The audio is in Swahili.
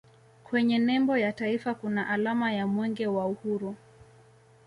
kwenye nembo ya taifa kuna alama ya mwenge wa uhuru